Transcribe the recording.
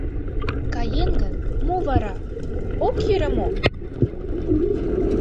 Каен гын, мо вара, ок йӧрӧ мо?